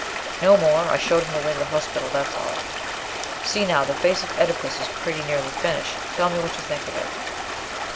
"No more: I showed him the way to the hospital, that's all. See, now, the face of Oedipus is pretty nearly finished; tell me what you think of it."